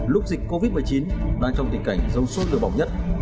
lúc dịch covid một mươi chín đang trong tình cảnh rông sôi lửa bỏng nhất